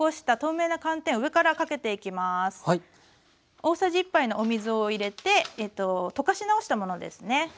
大さじ１杯のお水を入れて溶かし直したものですね。